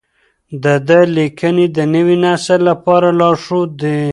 د ده لیکنې د نوي نسل لپاره لارښود دي.